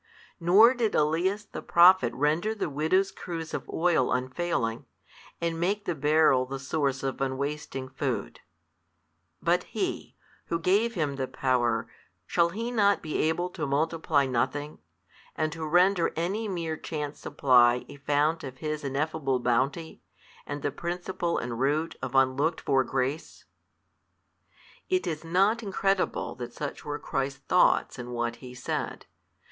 Nor did Elias the Prophet render the widow's cruse of oil unfailing, and make the barrel the source of unwasting food: but He, Who gave him the power, shall He not be able to multiply nothing, and to render any mere chance supply a fount of His ineffable Bounty and the principle and root of unlooked for grace? It is not incredible that such were Christ's thoughts in what He said.